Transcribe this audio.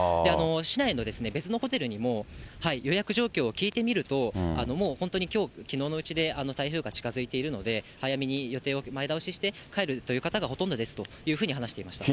市内の別のホテルにも予約状況を聞いてみると、もう本当にきょう、きのうのうちで、台風が近づいているので、早めに予定を前倒しして、帰るという方がほとんどですというふうに話していました。